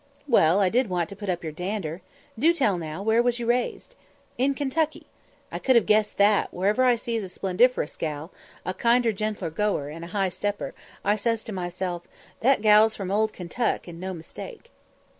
"Well, I did want to put up your dander. Do tell now, where was you raised?" "In Kentucky." "I could have guessed that; whenever I sees a splenderiferous gal, a kinder gentle goer, and high stepper, I says to myself, That gal's from old Kentuck, and no mistake."